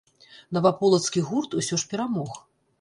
Наваполацкі гурт усё ж перамог.